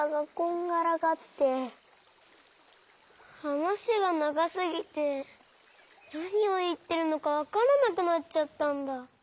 はなしがながすぎてなにをいってるのかわからなくなっちゃったんだ。